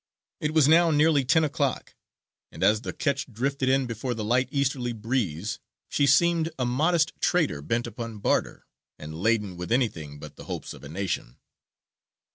It was now nearly ten o'clock, and as the ketch drifted in before the light easterly breeze she seemed a modest trader bent upon barter, and laden with anything but the hopes of a nation.